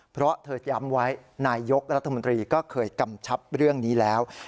เพราะเธอย้ำไว้นายยกรัฐมนตรีก็เคยกำชับเรื่องนี้แล้ว